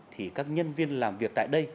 thì các nhân viên làm việc tại đây